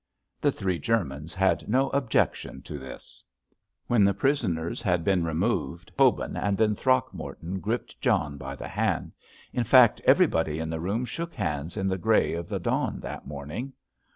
The three Germans had no objection to this. When the prisoners had been removed Hobin and then Throgmorton gripped John by the hand—in fact, everybody in the room shook hands in the grey of the dawn that morning.